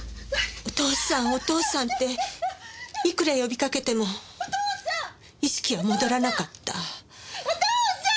お父さんお父さんっていくら呼びかけても意識は戻らなかった。